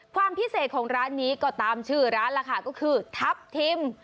ความพิเศษของร้านนี้ก็ตามชื่อร้านล่ะค่ะก็คือทัพทิม